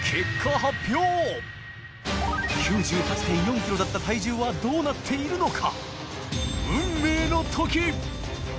４ｋｇだった体重はどうなっているのか？